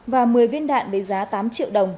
và một mươi viên đạn với giá tám triệu đồng